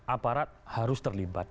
aparat harus terlibat